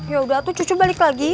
ya udah tuh cucu balik lagi